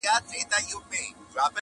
نجلۍ له شرمه ځان پټوي او مقاومت نه کوي,